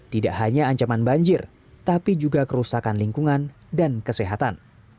tidak hanya ancaman banjir tapi juga kerusakan lingkungan dan kesehatan